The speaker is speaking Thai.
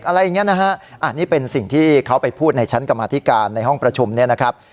อะไรอย่างนี้นะฮะอันนี้เป็นสิ่งที่เขาไปพูดในชั้นกรรมธิการในห้องประชุมเนี่ยนะครับ